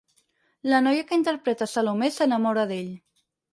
La noia que interpreta Salomé s'enamora d'ell.